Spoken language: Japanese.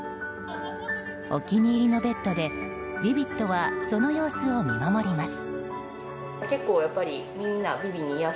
お気に入りのベッドでヴィヴィッドはその様子を見守ります。